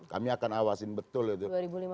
kami akan awasin betul itu